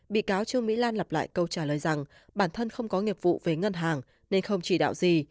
bị cáo trương mỹ lan lặp lại câu trả lời rằng bản thân không có nghiệp vụ về ngân hàng nên không chỉ đạo gì